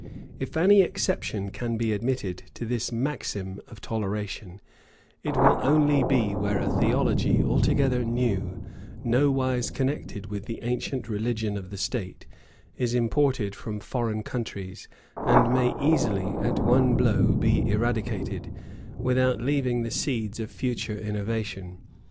If any exception can be admitted to this maxim of toleration, it will only be where a theology altogether new, nowise connected with the ancient religion of the state, is imported from foreign countries, and may easily, at one blow, be eradicated, without leaving the seeds of future innovation.